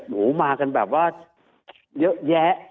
หมูมากันแบบว่าเยอะแยะ